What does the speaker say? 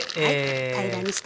平らにして。